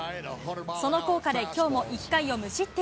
その効果できょうも１回を無失点。